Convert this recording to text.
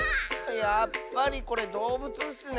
やっぱりこれどうぶつッスね。